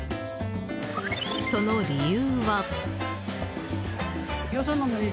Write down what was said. その理由は。